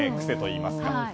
癖といいますか。